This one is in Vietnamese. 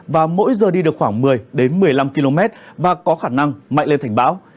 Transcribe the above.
và mỗi giờ đi được khoảng một mươi một mươi năm km và có khả năng mạnh lên thành bão